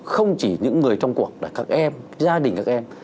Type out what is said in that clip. không chỉ những người trong cuộc là các em gia đình các em